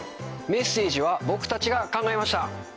メッセージは僕たちが考えました。